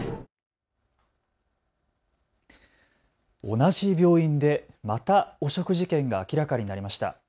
同じ病院でまた汚職事件が明らかになりました。